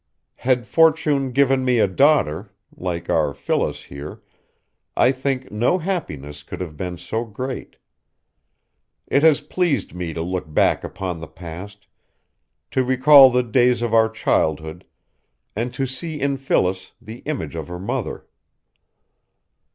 Had fortune given me a daughter, like our Phyllis here, I think no happiness could have been so great. It has pleased me to look back upon the past, to recall the days of our childhood, and to see in Phyllis the image of her mother.